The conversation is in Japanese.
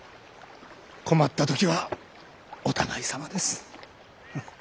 困ったときはお互いさまです。